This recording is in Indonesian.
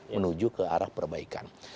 menuju ke arah perbaikan